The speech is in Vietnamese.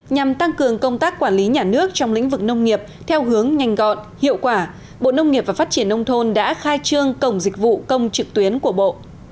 nhằm tăng cường công tác quản lý nhà nước trong lĩnh vực nông nghiệp theo hướng nhanh gọn hiệu quả bộ nông nghiệp và phát triển nông thôn đã khai trương cổng dịch vụ công trực tuyến của bộ